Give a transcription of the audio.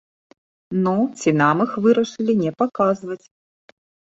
Ну, ці нам іх вырашылі не паказваць.